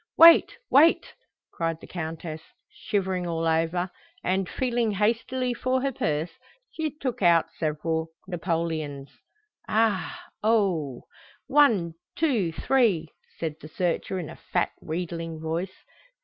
"Wait, wait!" cried the Countess, shivering all over, and, feeling hastily for her purse, she took out several napoleons. "Aha! oho! One, two, three," said the searcher in a fat, wheedling voice.